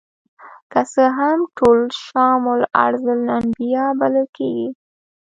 که څه هم ټول شام ارض الانبیاء بلل کیږي.